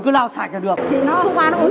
thế là mong các anh là cho em xin có cái gì